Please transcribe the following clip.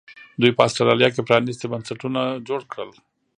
دوی په اسټرالیا کې پرانیستي بنسټونه جوړ کړل.